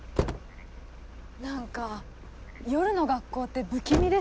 何か夜の学校って不気味ですね。